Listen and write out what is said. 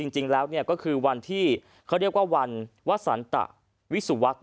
จริงแล้วก็คือวันที่เขาเรียกว่าวันวสันตะวิสุวัสดิ